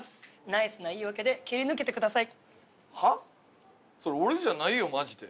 ナイスな言い訳で切り抜けてください。